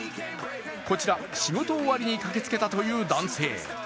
こちら、仕事終わりに駆けつけたという男性。